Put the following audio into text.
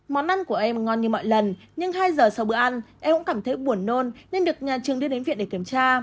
món ăn của em ngon như mọi lần nhưng hai giờ sau bữa ăn em cũng cảm thấy buồn nôn nên được nhà trường đưa đến viện để kiểm tra